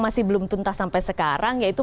masih belum tuntas sampai sekarang yaitu